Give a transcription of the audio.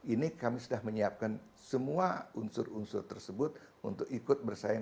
ini kami sudah menyiapkan semua unsur unsur tersebut untuk ikut bersaing